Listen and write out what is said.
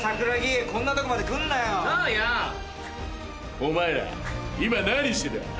お前ら今何してた。